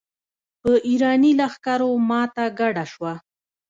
په اېراني لښکرو ماته ګډه شوه.